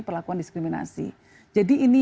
perlakuan diskriminasi jadi ini